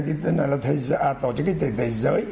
thì tên là tổ chức cái thể thể giới